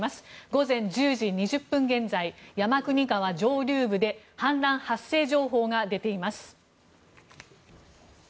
午前１０時２０分現在山国川上流部で氾濫発生情報が出ています。